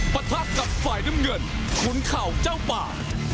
ปะทะกับฝ่ายน้ำเงินขุนเข่าเจ้าป่า